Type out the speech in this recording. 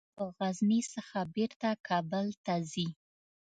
له غزني څخه بیرته کابل ته ځي.